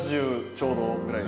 ちょうどぐらい。